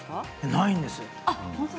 ないです。